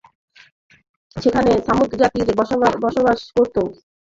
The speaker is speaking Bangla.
যেখানে ছামূদ জাতি বসবাস করত।